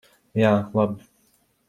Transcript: Jā, labi.